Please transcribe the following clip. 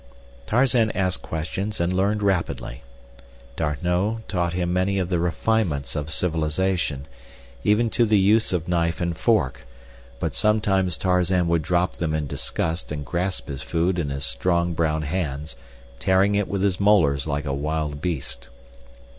Tarzan asked questions and learned rapidly. D'Arnot taught him many of the refinements of civilization—even to the use of knife and fork; but sometimes Tarzan would drop them in disgust and grasp his food in his strong brown hands, tearing it with his molars like a wild beast.